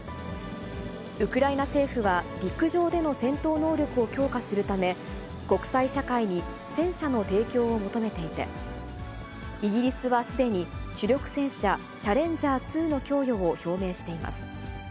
ウクライナ政府は陸上での戦闘能力を強化するため、国際社会に戦車の提供を求めていて、イギリスはすでに主力戦車チャレンジャー２の供与を表明しています。